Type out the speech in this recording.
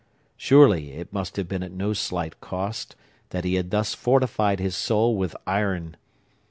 Surely, it must have been at no slight cost that he had thus fortified his soul with iron.